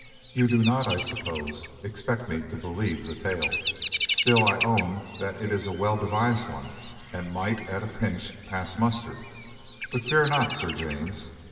You do not, I suppose, expect me to believe the tale. Still, I own that it is a well devised one, and might, at a pinch, pass muster; but fear not, Sir James.